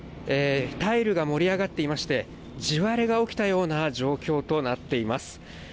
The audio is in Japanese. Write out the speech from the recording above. タイルが盛り上がっていまして、地割れが起きたような状況となっています。